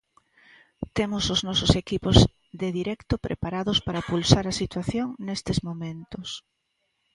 Temos os nosos equipos de directo preparados para pulsar a situación nestes momentos.